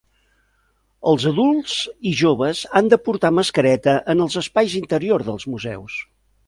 Els adults i joves han de portar mascareta en els espais interiors dels museus.